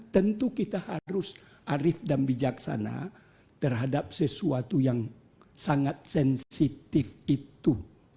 tentu kita harus arif dan bijaksana terhadap sesuatu yang sangat sensitif itu